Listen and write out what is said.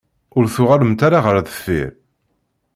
Ur tuγalemt ara γer deffir